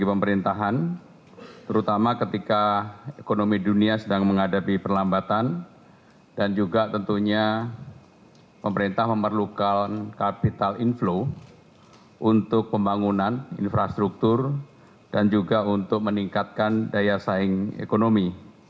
pemerintahan terutama ketika ekonomi dunia sedang menghadapi perlambatan dan juga tentunya pemerintah memerlukan capital inflow untuk pembangunan infrastruktur dan juga untuk meningkatkan daya saing ekonomi